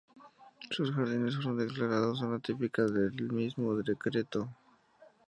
Sus jardines fueron declarados zona típica en el mismo decreto.